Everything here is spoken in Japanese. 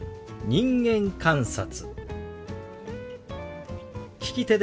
「人間観察」。